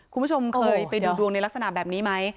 คุณผู้ชมเคยไปดูดวงในลักษณะแบบนี้ไหม